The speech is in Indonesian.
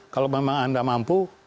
kalau memang anda mampu